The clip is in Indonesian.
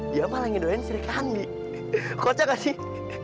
dia malah ingin doain serikangi kocok gak sih